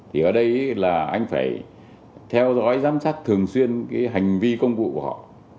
thì ở đây là anh phải theo dõi giám sát thường xuyên cái hành vi công vụ của họ